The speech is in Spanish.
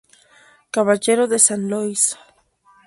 Caballero de Saint-Louis.